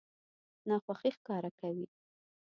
ناخوښي ښکاره کوي.